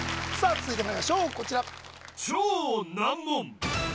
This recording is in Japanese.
続いてまいりましょうこちら